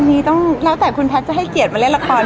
อันนี้ต้องแล้วแต่คุณแพทย์จะให้เกียรติมาเล่นละคร